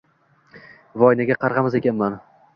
Voy, nega qarg‘amas ekanman?